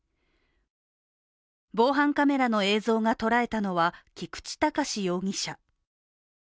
防犯カメラの映像が捉えたのは菊池隆容疑者。